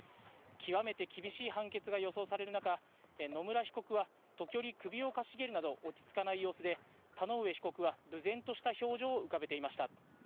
極めて厳しい判決が予想される中、野村被告は時折、首をかしげるなど、落ち着かない様子で、田上被告はぶぜんとした表情を浮かべていました。